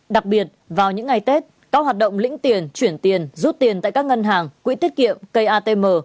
đặc biệt vào những ngày tết các hoạt động lĩnh tiền chuyển tiền rút tiền tại các ngân hàng quỹ tiết kiệm cây atm